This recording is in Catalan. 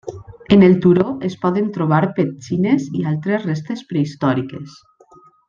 En el turó es poden trobar petxines i altres restes prehistòriques.